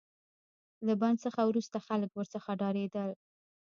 له بند څخه وروسته خلک ورڅخه ډاریدل.